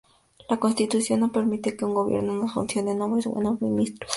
La Constitución no permite que un Gobierno en funciones nombre nuevos ministros.